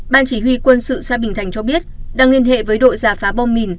ban chỉ huy quân sự xã bình thành cho biết đang liên hệ với đội giả phá bom mìn